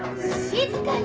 静かに！